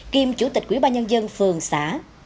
kiêm chủ tịch quỹ ba nhân dân phường xã